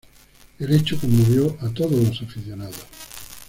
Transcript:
El hecho conmovió a todos los aficionados.